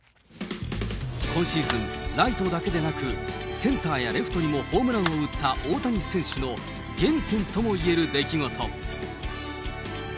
今シーズン、ライトだけでなく、センターやレフトにもホームランを打った大谷選手の原点ともいえる出来事。